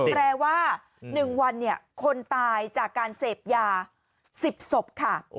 แปลว่า๑วันคนตายจากการเสพยา๑๐ศพค่ะ